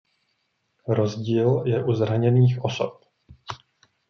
Rozdíl je u zraněných osob.